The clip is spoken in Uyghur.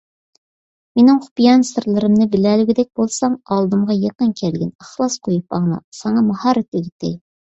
مېنىڭ خۇپىيانە سىرلىرىمنى بىلەلىگۈدەك بولساڭ ئالدىمغا يېقىن كەلگىن، ئىخلاس قويۇپ ئاڭلا، ساڭا ماھارەت ئۆگىتەي.